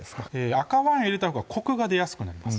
赤ワインを入れたほうがコクが出やすくなります